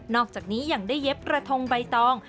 อกจากนี้ยังได้เย็บกระทงใบตอง